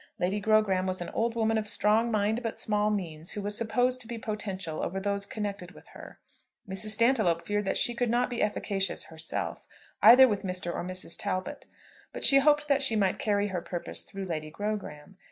Lady Grogram was an old woman of strong mind but small means, who was supposed to be potential over those connected with her. Mrs. Stantiloup feared that she could not be efficacious herself, either with Mr. or Mrs. Talbot; but she hoped that she might carry her purpose through Lady Grogram.